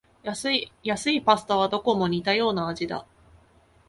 安いパスタはどこも似たような味だ